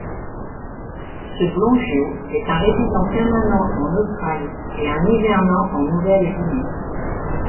Ce blongios est un résident permanent en Australie et un hivernant en Nouvelle-Guinée.